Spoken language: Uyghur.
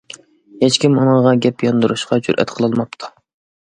ھېچكىم ئۇنىڭغا گەپ ياندۇرۇشقا جۈرئەت قىلالماپتۇ.